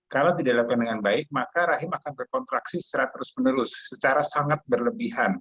kalau tidak dilakukan dengan baik maka rahim akan berkontraksi secara terus menerus secara sangat berlebihan